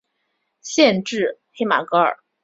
县治黑马戈尔。